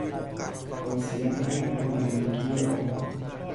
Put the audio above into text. خاصیت حل کنندگی آب